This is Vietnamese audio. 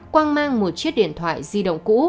quang mang một chiếc điện thoại di động cũ